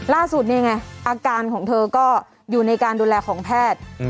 ล่าสุดนี่ไงอาการของเธอก็อยู่ในการดูแลของแพทย์